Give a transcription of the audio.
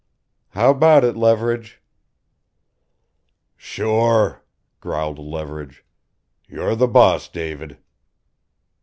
"How about it, Leverage?" "Sure," growled Leverage. "You're the boss, David."